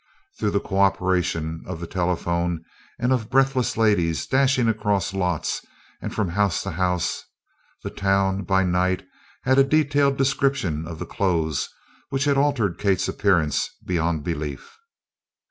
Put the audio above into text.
Through the cooperation of the telephone and of breathless ladies dashing across lots and from house to house, the town, by night, had a detailed description of the clothes which had altered Kate's appearance beyond belief.